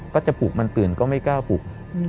ก็จะปลูกมันตื่นก็ไม่กล้าปลูก